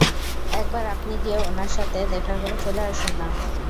একবার আপনি গিয়ে ওনার সাথে দেখা করে চলে আসুন না?